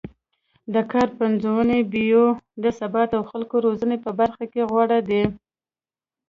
د کار پنځونې، بیو د ثبات او خلکو روزنې په برخه کې غوره دی